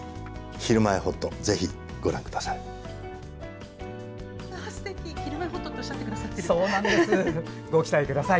「ひるまえほっと」ってご期待ください。